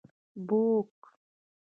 book